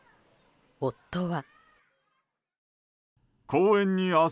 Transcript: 夫は。